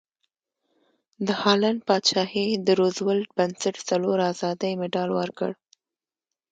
د هالنډ پادشاهي د روزولټ بنسټ څلور ازادۍ مډال ورکړ.